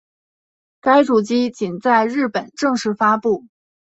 该主机仅在日本正式发布。